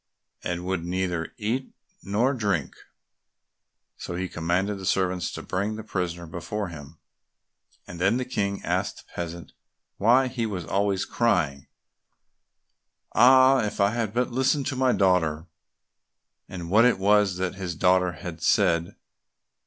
and would neither eat nor drink. So he commanded the servants to bring the prisoner before him, and then the King asked the peasant why he was always crying, "Ah! if I had but listened to my daughter!" and what it was that his daughter had said.